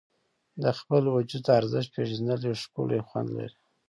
د خپل وجود ارزښت پېژندل یو ښکلی خوند لري.